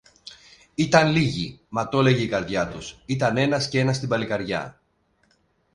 Ήταν λίγοι, μα τόλεγε η καρδιά τους, ήταν ένας κι ένας στην παλικαριά.